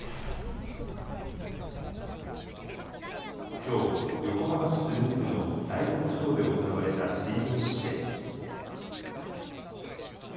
きょう横浜市鶴見区の大黒ふ頭で行われた追悼式典。